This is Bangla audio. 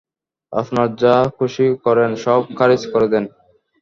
আপনার যা খুশি করেন, সব খারিজ করে দেন।